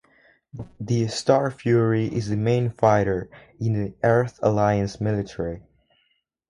The Starfury is the main fighter in the Earth-Alliance military.